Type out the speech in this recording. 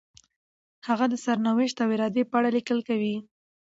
هغه د سرنوشت او ارادې په اړه لیکل کوي.